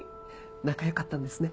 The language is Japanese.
仲良かったんですね。